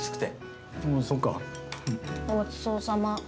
ごちそうさま。